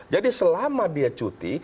jadi selama dia cuti